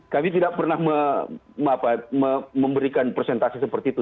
kami tidak pernah memberikan presentasi seperti itu